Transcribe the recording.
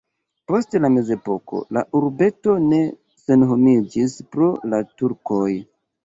Post la mezepoko la urbeto ne senhomiĝis pro la turkoj.